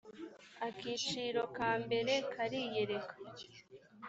akiciro ka mbere kariyereka